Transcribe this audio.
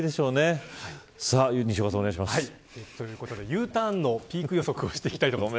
Ｕターンのピーク予測をしていきます。